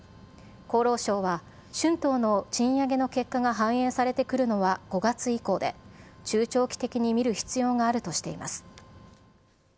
厚労省は春闘の賃上げの結果が反映されてくるのは５月以降で、中長期的に見る必要があるとしています。